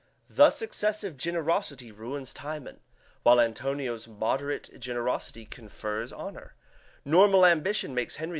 Thus excessive generosity ruins Timon, while Antonio's moderate generosity confers honor; normal ambition makes Henry V.